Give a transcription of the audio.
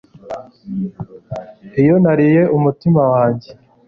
iyo nariye umutima wanjye